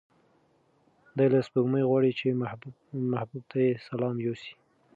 دی له سپوږمۍ غواړي چې محبوب ته یې سلام یوسي.